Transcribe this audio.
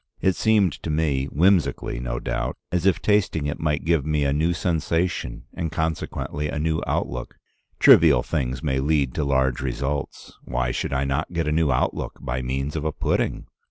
It seemed to me, whimsically no doubt, as if tasting it might give me a new sensation, and consequently a new outlook. Trivial things may lead to large results: why should I not get a new outlook by means of a pudding?